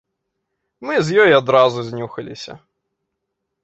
Мы з ёй адразу знюхаліся.